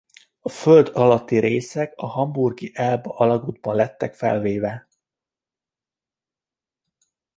A föld alatti részek a hamburgi Elba-alagútban lettek felvéve.